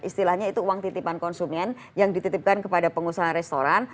istilahnya itu uang titipan konsumen yang dititipkan kepada pengusaha restoran